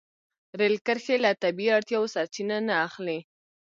رېل کرښې له طبیعي اړتیاوو سرچینه نه اخلي.